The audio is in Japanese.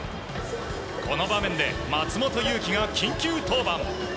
この場面で松本裕樹が緊急登板。